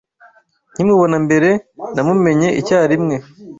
Nkimubona mbere, namumenye icyarimwe.